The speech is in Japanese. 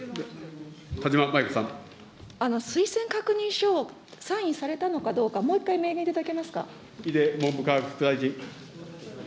推薦確認書を、サインされたのかどうか、もう一回、明言いただけますか。